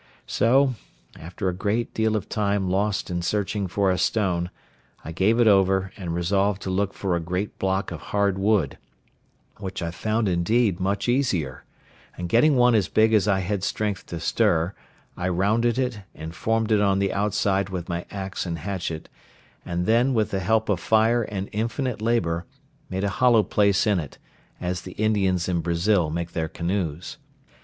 So, after a great deal of time lost in searching for a stone, I gave it over, and resolved to look out for a great block of hard wood, which I found, indeed, much easier; and getting one as big as I had strength to stir, I rounded it, and formed it on the outside with my axe and hatchet, and then with the help of fire and infinite labour, made a hollow place in it, as the Indians in Brazil make their canoes.